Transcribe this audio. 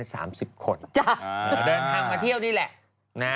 เดินทางมาเที่ยวนี่แหละ